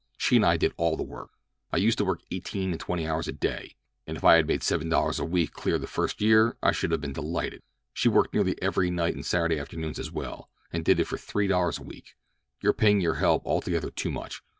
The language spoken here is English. She and I did all the work. I used to work eighteen and twenty hours a day, and if I had made seven dollars a week clear the first year I should have been delighted. She worked nearly every night and Saturday afternoons as well, and did it for three dollars a week. You are paying your help altogether too much.